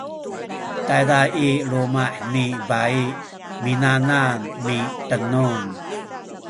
tayza i luma’ ni bai minanam mitenun